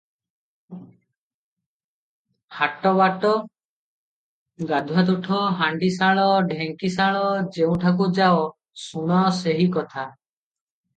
ହାଟ-ବାଟ, ଗାଧୁଆ ତୁଠ, ହାଣ୍ତିଶାଳ, ଢ଼େଙ୍କିଶାଳ, ଯେଉଁଠାକୁ ଯାଅ, ଶୁଣ ସେହି କଥା ।